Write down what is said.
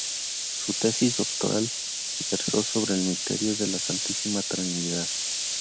Su tesis doctoral versó sobre el misterio de la Santísima Trinidad.